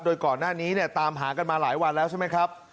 โดยก่อนหน้านี้เนี่ยตามหากันมาหลายวันแล้วใช่ไหมครับ